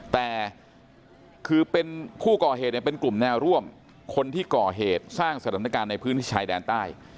แต่คือเป็นผู้ก่อเหตุเนี่ยเป็นกลุ่มแนวร่วมคนที่ก่อเหตุสร้างสถานการณ์ในพื้นที่ชายแดนใต้